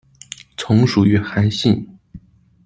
从属于韩信。